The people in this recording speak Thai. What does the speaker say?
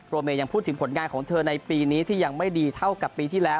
เมย์ยังพูดถึงผลงานของเธอในปีนี้ที่ยังไม่ดีเท่ากับปีที่แล้ว